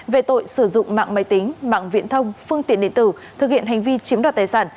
về tội sử dụng mạng máy tính mạng viễn thông phương tiện điện tử thực hiện hành vi chiếm đoạt tài sản